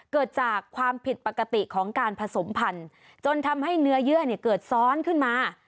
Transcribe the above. เกิดจากความผิดปกติของการผสมพันธุ์จนทำให้เนื้อเยื่อเกิดซ้อนขึ้นมา